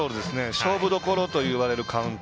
勝負どころといわれるカウント。